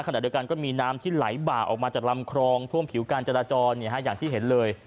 ขณะเดียวกันก็มีน้ำที่ไหลบ่าออกมาจากลำคลองท่วมผิวการจราจรอย่างที่เห็นเลย